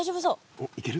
おっいける？